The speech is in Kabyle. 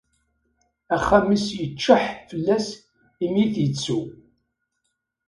Axxam-is yeččeḥ fell-as imi t-yettu.